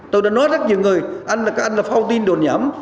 tôi đã nói rất nhiều người anh là phong tin đồn nhắm